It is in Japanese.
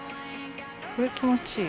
これ気持ちいい。